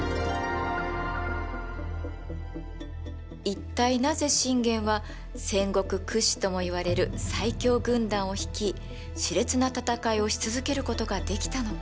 一体なぜ信玄は戦国屈指ともいわれる最強軍団を率い熾烈な戦いをし続けることができたのか？